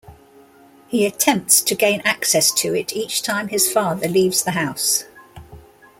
He attempts to gain access to it each time his father leaves the house.